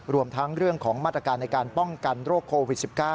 รวมทั้งเรื่องของมาตรการในการป้องกันโรคโควิด๑๙